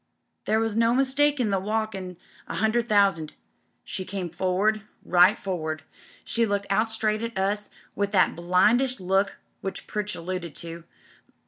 There was no mistakin' the walk in a hundred thousand. She come forward — right for ward — ^she looked out straight at us with that blindish look which Pritch alluded to.